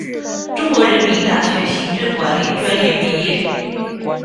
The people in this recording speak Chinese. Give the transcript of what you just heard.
中国人民大学行政管理专业毕业。